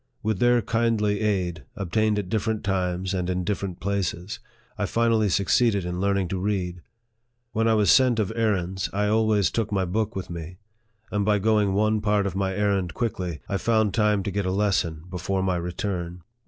With their kindly aid, obtained at different times and in different places, I finally succeeded in learning to read. When I was sent of errands, I always took my book with me, and by going one part of my errand quickly, I found time to get a lesson before my return.